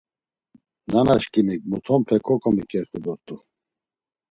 Nanaşǩimik mutonpe ǩoǩomiǩerxu dort̆u.